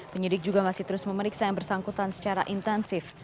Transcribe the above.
penyidik juga masih terus memeriksa yang bersangkutan secara intensif